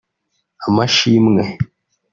Amashimwe